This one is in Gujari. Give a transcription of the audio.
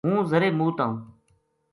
ہوں ذرے مُوت آئوں